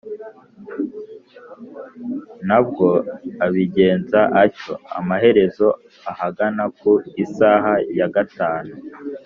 Na bwo abigenza atyo amaherezo ahagana ku isaha ya gatanu